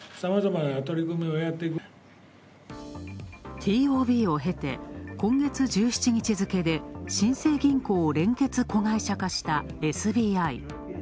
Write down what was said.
ＴＯＢを経て、今月１７日付けで新生銀行を連結子会社化したＳＢＩ。